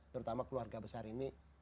terutama keluarga besar ini